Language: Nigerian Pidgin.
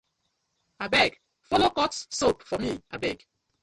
Abeg follo cut soap for mi abeg.